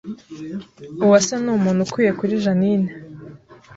Uwase numuntu ukwiye kuri Jeaninne